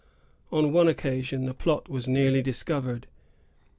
On one occasion, the plot was nearly discovered.